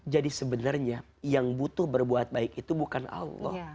jadi sebenarnya yang butuh berbuat baik adalah allah